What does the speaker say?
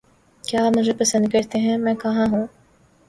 کیا آپ مجھے پسند کرتے ہیں؟ میں کہاں ہوں؟